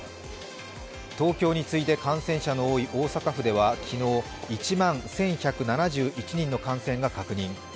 東京に次いで感染者の多い大阪府では昨日１万１１７１人の感染が確認。